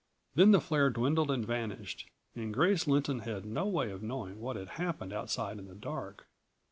Then the flare dwindled and vanished and Grace Lynton had no way of knowing what had happened outside in the dark.